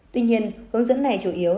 tuy nhiên hướng dẫn này chủ yếu